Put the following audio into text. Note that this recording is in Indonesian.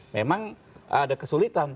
memang ada kesulitan